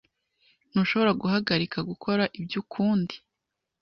Ntushobora guhagarika gukora ibyo ukundi.